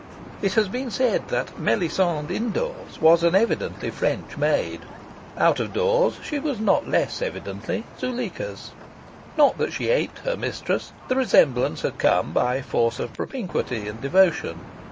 It has been said that Melisande indoors was an evidently French maid. Out of doors she was not less evidently Zuleika's. Not that she aped her mistress. The resemblance had come by force of propinquity and devotion.